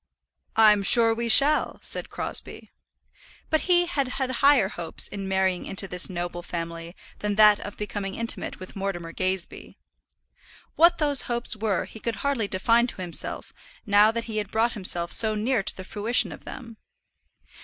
"I'm sure we shall," said Crosbie. But he had had higher hopes in marrying into this noble family than that of becoming intimate with Mortimer Gazebee. What those hopes were he could hardly define to himself now that he had brought himself so near to the fruition of them.